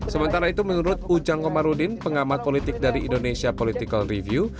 sementara itu menurut ujang komarudin pengamat politik dari indonesia political review